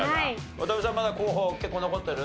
渡邉さんまだ候補結構残ってる？